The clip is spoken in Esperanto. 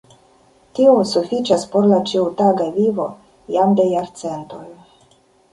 Tio sufiĉas por la ĉiutaga vivo jam de jarcentoj.